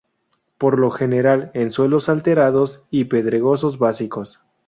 Por lo general en suelos alterados y pedregosos básicos.